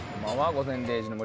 「午前０時の森」